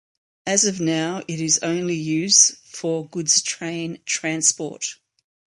As of now it is only use for goods train transport.